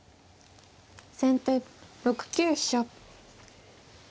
先手６九飛車。